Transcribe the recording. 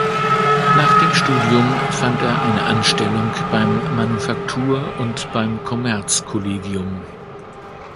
Nach dem Studium fand er eine Anstellung beim Manufaktur- und beim Kommerz-Kollegium.